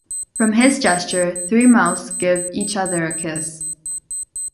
From his gesture, three mouths give each other a kiss.